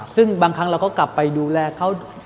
ซึ่งบางครั้งเราก็กลับไปดูแลเขา